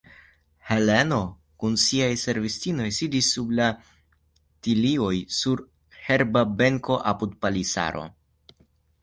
Heleno kun siaj servistinoj sidis sub la tilioj sur herba benko, apud palisaro.